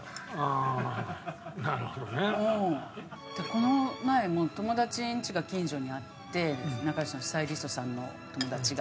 この前も友達んちが近所にあって仲良しのスタイリストさんの友達が。